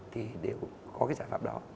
thì đều có cái giải pháp đó